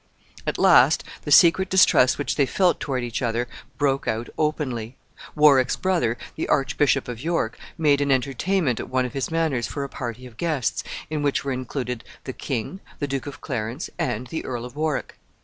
At last the secret distrust which they felt toward each other broke out openly. Warwick's brother, the Archbishop of York, made an entertainment at one of his manors for a party of guests, in which were included the king, the Duke of Clarence, and the Earl of Warwick.